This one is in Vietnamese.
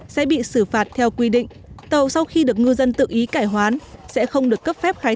sẽ bị xử phạt theo quy định tàu sau khi được ngư dân tự ý cải hoán sẽ không được cấp phép khai